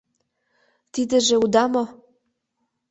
— Тидыже уда мо?